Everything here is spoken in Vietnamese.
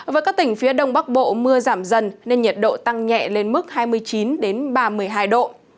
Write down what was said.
với các tỉnh phía đông bắc bộ mưa giảm dần nên nhiệt độ tăng nhẹ lên mức hai mươi chín ba mươi hai độ